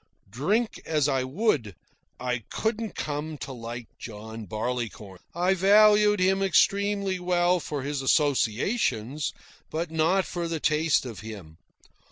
Drink as I would, I couldn't come to like John Barleycorn. I valued him extremely well for his associations, but not for the taste of him.